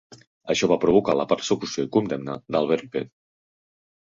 Això va provocar la persecució i condemna d'Albert B.